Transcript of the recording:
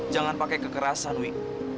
jangan pakai kekerasan wi